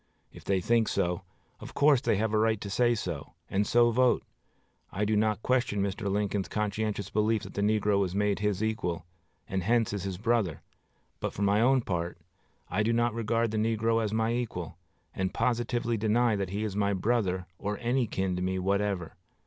If they think so, of course they have a right to say so, and so vote. I do not question Mr. Lincoln's conscientious belief that the negro was made his equal, and hence is his brother; but, for my own part, I do not regard the negro as my equal, and positively deny that he is my brother or any kin to me whatever....